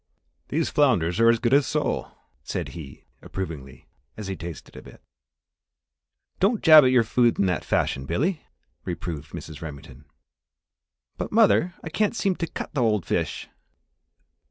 "These flounders are as good as sole," said he, approvingly, as he tasted a bit. "Don't jab at your food in that fashion, Billy!" reproved Mrs. Remington. "But, mother, I can't seem to cut the old fish!"